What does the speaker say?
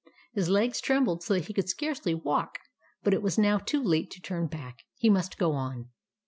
His legs trembled so that he could scarcely walk ; but it was now too late to turn back. He must go on.